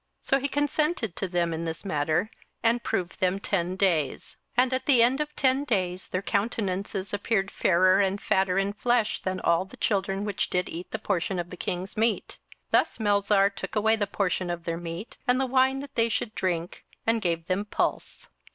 27:001:014 So he consented to them in this matter, and proved them ten days. 27:001:015 And at the end of ten days their countenances appeared fairer and fatter in flesh than all the children which did eat the portion of the king's meat. 27:001:016 Thus Melzar took away the portion of their meat, and the wine that they should drink; and gave them pulse.